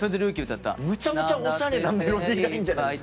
むちゃむちゃおしゃれなメロディーラインじゃないですか。